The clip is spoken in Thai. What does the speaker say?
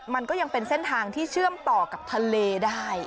มันก็ยังเป็นเส้นทางที่เชื่อมต่อกับทะเลได้